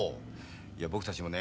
いや僕たちもね